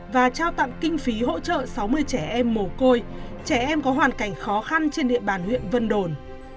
và trao tặng kinh phí hỗ trợ sáu mươi trẻ em mồ côi trẻ em có hoàn cảnh khó khăn trên địa bàn huyện vân đồn